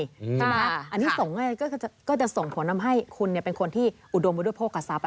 จริงครับอันนี้ส่งไงก็จะส่งผลทำให้คุณเป็นคนที่อุดมโดดโภคกับสับ